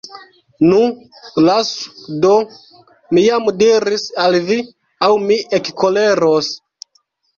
Nu, lasu do, mi jam diris al vi, aŭ mi ekkoleros.